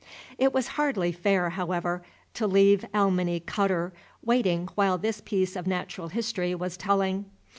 It was hardly fair, however, to leave Alminy Cutterr waiting while this piece of natural history was telling.